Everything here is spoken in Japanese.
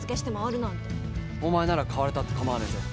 お前なら買われたって構わねえぜ。